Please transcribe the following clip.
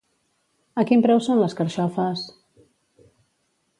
A quin preu són les carxofes?